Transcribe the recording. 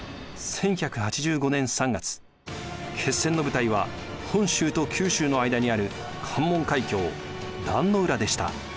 １１８５年３月決戦の舞台は本州と九州の間にある関門海峡壇の浦でした。